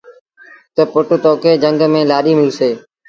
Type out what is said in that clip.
تا پُٽ تو کي جھنگ ميݩ لآڏيٚ ملسي۔